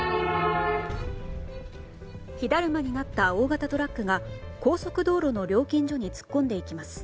火だるまになった大型トラックが高速道路の料金所に突っ込んでいきます。